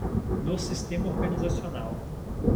No sistema organizacional